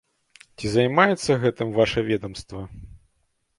Ці займаецца гэтым вашае ведамства.